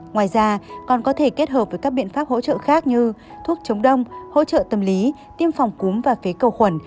ngoài ra còn có thể kết hợp với các biện pháp hỗ trợ khác như thuốc chống đông hỗ trợ tâm lý tiêm phòng cúm và phế cầu khuẩn